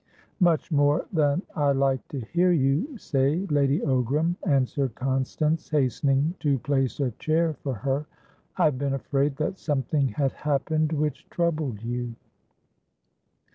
"Much more than I like to hear you say, Lady Ogram," answered Constance, hastening to place a chair for her. "I have been afraid that something had happened which troubled you."